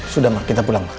sudah ma kita pulang ma